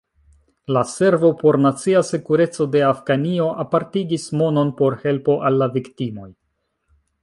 La Servo por nacia sekureco de Afganio apartigis monon por helpo al la viktimoj.